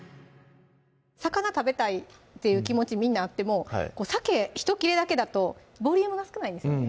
魚食べたいっていう気持ちみんなあってもさけ１切れだけだとボリュームが少ないんですよね